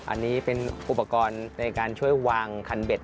อันนี้เป็นอุปกรณ์ในการช่วยวางคันเบ็ด